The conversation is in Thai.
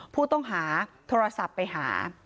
ผู้ต้องหาโทรศัพท์ไปหา